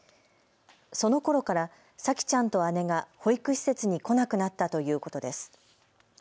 そのころから沙季ちゃんと姉が保育施設に来なくなったということです。